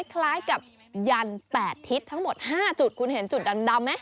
คล้ายกับยัน๘ทิศทั้งหมด๕จุดคุณเห็นจุดดำไหม